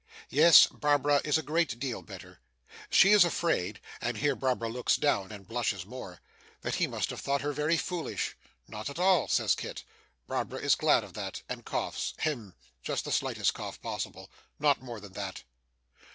Yes. Barbara is a great deal better. She is afraid and here Barbara looks down and blushes more that he must have thought her very foolish. 'Not at all,' says Kit. Barbara is glad of that, and coughs Hem! just the slightest cough possible not more than that.